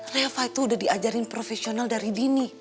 reva itu sudah diajarin profesional dari dini